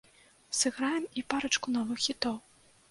Сыграем і парачку новых хітоў.